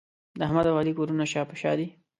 د احمد او علي کورونه شا په شا دي.